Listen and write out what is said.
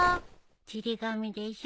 ちり紙でしょ？